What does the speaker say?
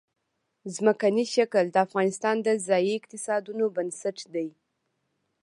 ځمکنی شکل د افغانستان د ځایي اقتصادونو بنسټ دی.